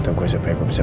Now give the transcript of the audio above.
aku pergi dulu ya